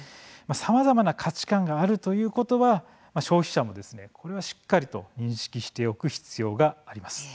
さまざまな価値観があるということは消費者もこれはしっかりと認識しておく必要があります。